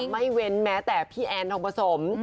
ไม่เว้นแม้แต่พี่แอนทองผสม